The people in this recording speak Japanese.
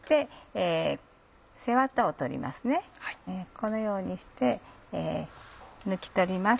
このようにして抜き取ります。